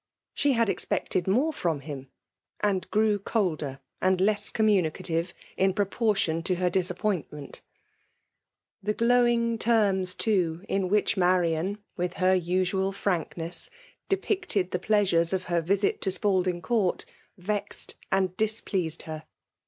She had expected more from him; and grew colder, and less communicative, in proportion to her disa^ pointment The glowing terms, too« in which WiirilMif* FKlIAtB DOMlNATlOiV. 9 ^th her aeoal ftamiaiess, depicted the pkatiures of Iier Tisit to Spalding Court, vexed and dis pleased her.